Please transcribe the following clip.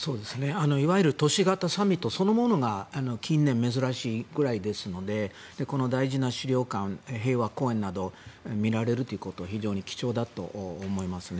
いわゆる都市型サミットそのものが近年、珍しいくらいですのでこの大事な資料館平和公園などを見られるということは非常に貴重だと思いますね。